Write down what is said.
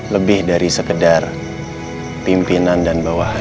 lebih dari sekedar pimpinan dan bawahan